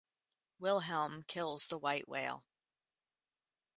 Wilhelm kills the White Whale.